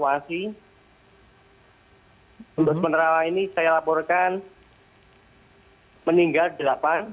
untuk sementara ini saya laporkan meninggal delapan